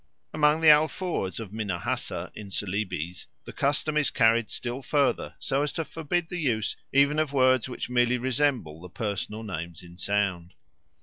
Among the Alfoors of Minahassa, in Celebes, the custom is carried still further so as to forbid the use even of words which merely resemble the personal names in sound.